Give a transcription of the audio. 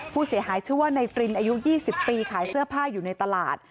ผู้เสียหายชื่อว่าในปรินอายุ๒๐ปีขายเสื้อผ้าอยู่ในตลาด